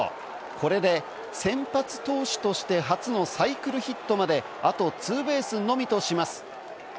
これで先発投手として初のサイクルヒットまであとツーベースのみとします。